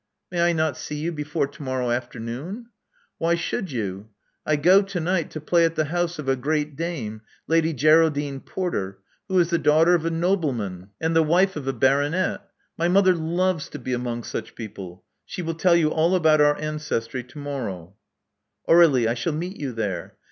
" May I not see you before to morrow afternoon?" "Why should you? I go to night to play at the house of a great dame, Lady Geraldine Porter, who is the daughter of a nobleman and the wife of a Love Among the Artists 227 baronet. My mother loves to be among such people. She will tell you all about our ancestry to morrow." Aur^lie: I shall meet you there.